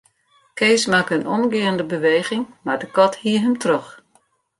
Kees makke in omgeande beweging, mar de kat hie him troch.